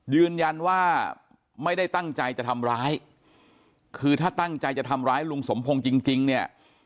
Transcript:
ยืนยันว่าไม่ได้ตั้งใจจะทำร้ายคือถ้าตั้งใจจะทำร้ายลุงสมพงศ์จริงเนี่ย